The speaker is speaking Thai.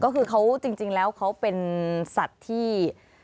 ก็คือเขาจริงแล้วเขาเป็นสัตว์ที่